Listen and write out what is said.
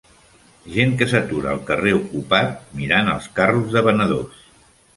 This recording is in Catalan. Gent que s'atura al carrer ocupat mirant els carros de venedors.